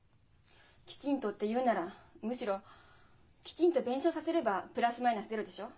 「きちんと」って言うならむしろきちんと弁償させればプラスマイナスゼロでしょ。